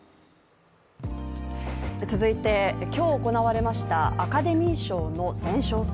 続いて、今日行われましたアカデミー賞の前哨戦